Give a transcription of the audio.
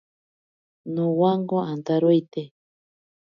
Nowanko antaroite.